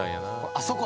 あそこ。